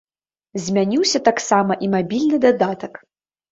Змяніўся таксама і мабільны дадатак.